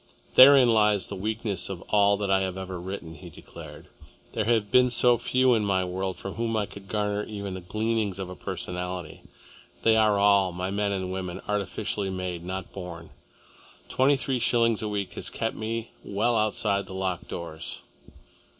"Therein lies the weakness of all that I have ever written," he declared. "There have been so few in my world from whom I could garner even the gleanings of a personality. They are all, my men and women, artificially made, not born. Twenty three shillings a week has kept me well outside the locked doors."